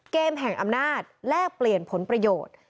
เกมแห่งอำนาจแลกเปลี่ยนผลประโยชน์